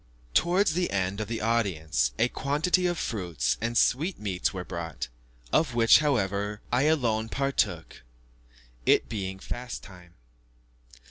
Towards the end of the audience, a quantity of fruits and sweetmeats were brought, of which, however, I alone partook it being fast time.